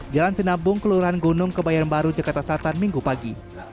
jalan sinabung kelurahan gunung kebayoran baru jakarta selatan minggu pagi